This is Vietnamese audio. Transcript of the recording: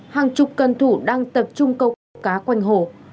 hàng chục cân thủ đang tập trung câu cá quanh hồ